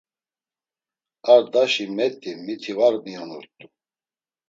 Ar daşi met̆i miti var miyonut̆u.